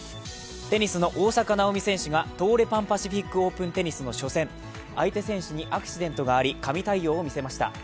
テニスの大坂なおみ選手が東レ・パン・パシフィックオープンテニスの初戦、相手選手にアクシデントがあり、神対応を見せました。